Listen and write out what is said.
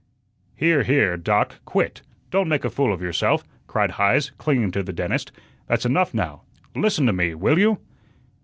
"Here, here, Doc, quit. Don't make a fool of yourself," cried Heise, clinging to the dentist. "That's enough now. LISTEN to me, will you?"